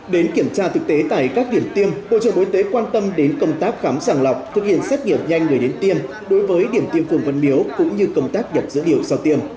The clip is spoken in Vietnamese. đến kiểm tra thực tế tại các điểm tiêm bộ trưởng bộ y tế quan tâm đến công tác khám sàng lọc thực hiện xét nghiệm nhanh người đến tiêm đối với điểm tiêm phòng vật miếu cũng như công tác nhập dữ liệu sau tiêm